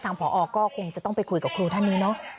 ผอก็คงจะต้องไปคุยกับครูท่านนี้เนอะ